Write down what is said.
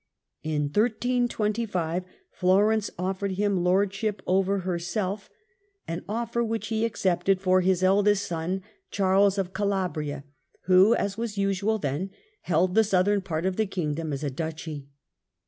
In 1825 Florence offered him lordship over herself, an offer ITALY, 1313 1378 75 which he accepted for his eldest son, Charles of Calabria, who, as was usual then, held the southern part of the Kingdom as a Duchy.